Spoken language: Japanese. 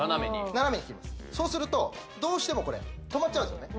斜めに切りますそうするとどうしてもこれ止まっちゃうんですよね